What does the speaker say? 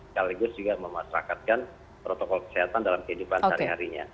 sekaligus juga memasrakatkan protokol kesehatan dalam kehidupan sehari harinya